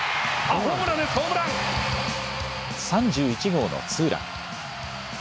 ３１号のツーラン。